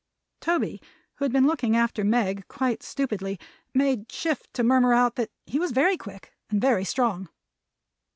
Toby, who had been looking after Meg, quite stupidly, made shift to murmur out that he was very quick, and very strong.